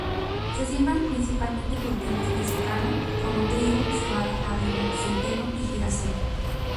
Se siembran principalmente cultivos de secano, como trigo, cebada, avena, centeno y girasol.